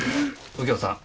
右京さん？